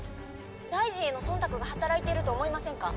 「大臣への忖度が働いていると思いませんか？」